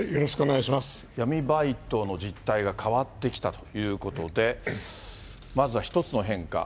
闇バイトの実態が変わってきたということで、まずは１つの変化。